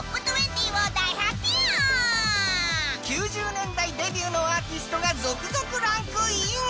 ９０年代デビューのアーティストが続々ランクイン。